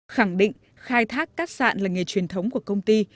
khẳng định khai thác cát sạn là nghề truyền thống của công ty